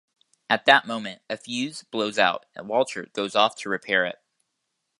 At that moment, a fuse blows out, and Walter goes off to repair it.